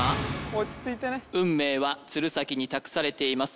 落ち着いてね運命は鶴崎に託されています